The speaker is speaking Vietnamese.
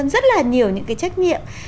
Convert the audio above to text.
rất là nhiều những cái trách nhiệm